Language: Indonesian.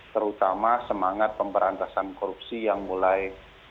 terutama semangat pemberantasan korupsi yang mulai